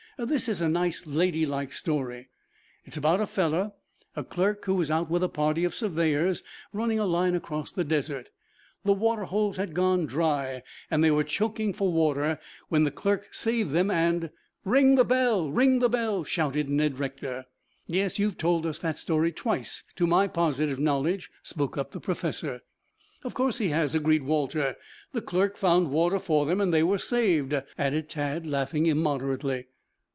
"This is a nice ladylike story. It's about a fellow a clerk who was out with a party of surveyors, running a line across the desert. The water holes had gone dry and they were choking for water when the clerk saved them and " "Ring the bell! Ring the bell!" shouted Ned Rector. "Yes, you have told us that story twice to my positive knowledge," spoke up the professor. "Of course he has," agreed Walter. "The clerk found water for them and they were saved," added Tad, laughing immoderately.